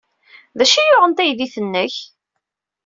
D acu ay yuɣen taydit-nnek?